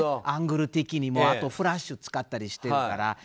アングル的にもあと、フラッシュ使ったりしてるから。